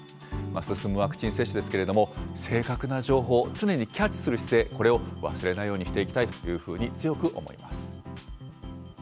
進むワクチン接種ですけれども、正確な情報、常にキャッチする姿勢、これを忘れないようにしていきたいというふうに強く思います。